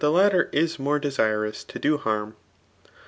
latter 18 more dcfliroua to do harm.